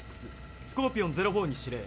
スコーピオン０４に指令。